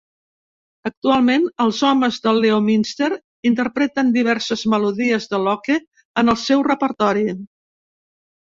Actualment, els homes de Leominster interpreten diverses melodies de Locke en el seu repertori.